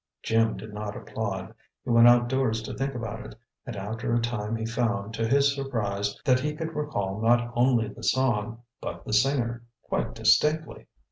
Jim did not applaud. He went outdoors to think about it; and after a time he found, to his surprise, that he could recall not only the song, but the singer, quite distinctly.